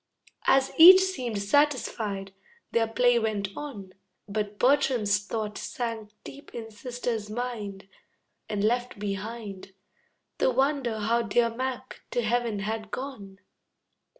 As each seemed satisfied, their play went on. But Bertram's thought sank deep in sister's mind, And left behind The wonder how dear Mac to heaven had gone.